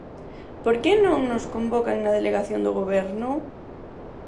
¿Por que non nos convocan na Delegación do Goberno?